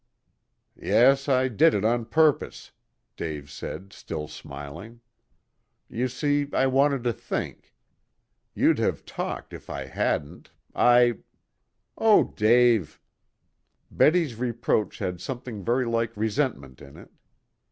"Yes, I did it on purpose," Dave said, still smiling. "You see I wanted to think. You'd have talked if I hadn't. I " "Oh, Dave!" Betty's reproach had something very like resentment in it.